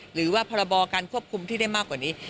หรือว่าพรบการควบคุมที่ได้มากกว่านี้